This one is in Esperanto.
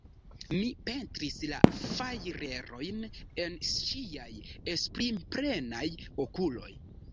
Mi pentris la fajrerojn en ŝiaj esprimplenaj okuloj.